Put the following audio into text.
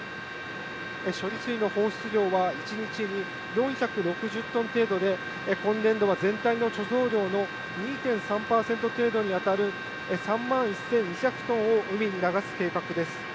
処理水の放出量は、１日に４６０トン程度で、今年度は全体の貯蔵量の２．３％程度に当たる３万１２００トンを海に流す計画です。